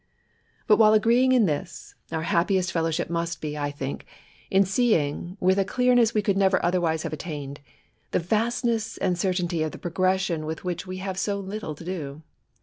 But while agreeing in this, our happiest fellow ship must be, I think, in seeing, with a clearness we could never otherwise have attained, the vastness and certainty of the progression with which we have so little to do.